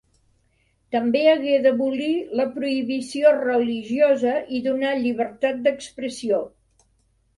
També hagué d'abolir la prohibició religiosa i donar llibertat d'expressió.